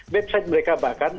website mereka bahkan